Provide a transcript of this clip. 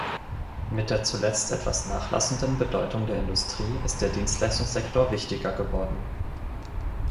Mit der zuletzt etwas nachlassenden Bedeutung der Industrie ist der Dienstleistungssektor wichtiger geworden.